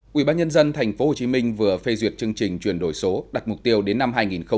quỹ bác nhân dân tp hcm vừa phê duyệt chương trình chuyển đổi số đặt mục tiêu đến năm hai nghìn ba mươi